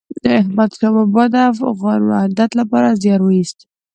احمد شاه بابا د افغان وحدت لپاره زیار وایست.